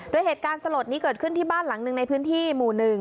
โดยเหตุการณ์สลดนี้เกิดขึ้นที่บ้านหลังหนึ่งในพื้นที่หมู่๑